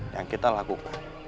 yang kita lakukan